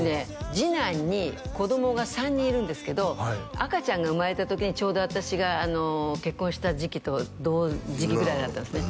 次男に子供が３人いるんですけど赤ちゃんが生まれた時にちょうど私が結婚した時期と同時期ぐらいだったんですね